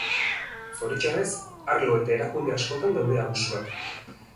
Zoritxarrez, arlo eta erakunde askotan daude abusuak.